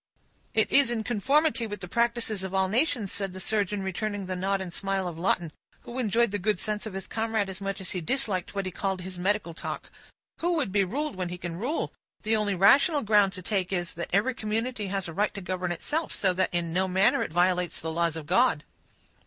"It is in conformity with the practices of all nations," said the surgeon, returning the nod and smile of Lawton, who enjoyed the good sense of his comrade as much as he disliked what he called "his medical talk." "Who would be ruled when he can rule? The only rational ground to take is, that every community has a right to govern itself, so that in no manner it violates the laws of God."